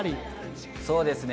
そうですね。